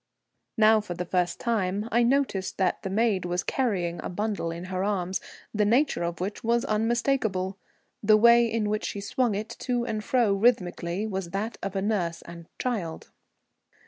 Now for the first time I noticed that the maid was carrying a bundle in her arms, the nature of which was unmistakable. The way in which she swung it to and fro rhythmically was that of a nurse and child.